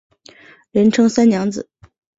人称三娘子。